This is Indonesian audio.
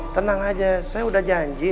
tenang aja saya udah janji